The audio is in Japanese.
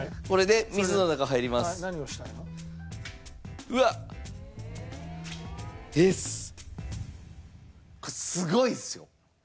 これすごいっすよ。